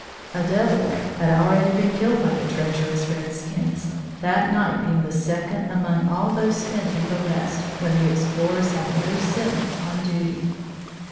A Delaware had already been killed by the treacherous redskins, that night being the second among all those spent in the west, when the explorers had no sentinel on duty.